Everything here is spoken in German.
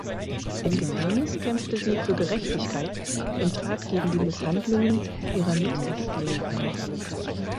Im Gefängnis kämpfte sie für Gerechtigkeit und trat gegen die Misshandlungen ihrer Mithäftlinge ein.